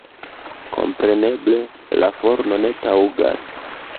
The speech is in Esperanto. Kompreneble la forno ne taŭgas.